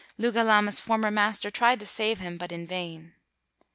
Lugalama 's former master tried to save him, but in vain.